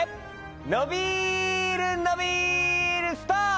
のびるのびるストップ！